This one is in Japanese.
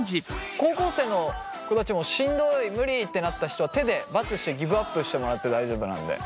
高校生の子たちもしんどい無理ってなった人は手でバツしてギブアップしてもらって大丈夫なんで。